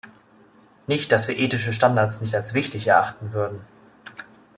Nicht dass wir ethische Standards nicht als wichtig erachten würden.